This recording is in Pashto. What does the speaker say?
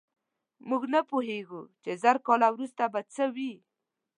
موږ نه پوهېږو، چې زر کاله وروسته به څه وي.